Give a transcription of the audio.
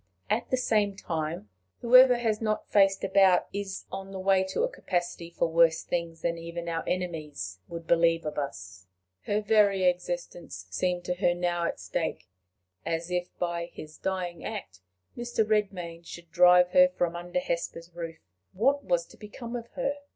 At the same time, whoever has not faced about is on the way to a capacity for worse things than even our enemies would believe of us. Her very existence seemed to her now at stake. If by his dying act Mr. Redmain should drive her from under Hesper's roof, what was to become of her!